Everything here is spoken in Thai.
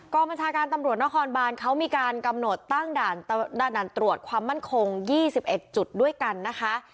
บัญชาการตำรวจนครบานเขามีการกำหนดตั้งด่านตรวจความมั่นคง๒๑จุดด้วยกันนะคะ